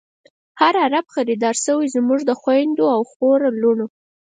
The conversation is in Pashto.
هر عرب خریدار شوۍ، زمونږ د خوندو او خور لڼو